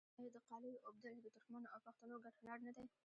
آیا د قالیو اوبدل د ترکمنو او پښتنو ګډ هنر نه دی؟